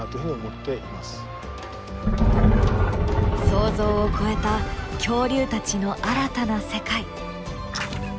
想像を超えた恐竜たちの新たな世界。